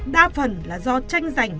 đa phần là do tranh giành